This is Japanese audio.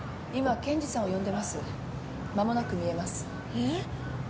えっ？